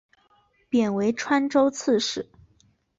贬为川州刺史。